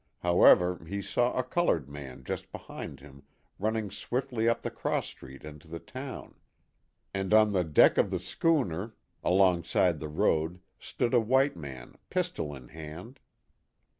How ever he saw a colored man just behind him running swiftly up the cross street into the town. And on the deck of the schooner along 146 THE HAT OF THE POSTMASTER. side the road stood a white man, pistol in hand.